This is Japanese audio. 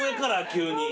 急に。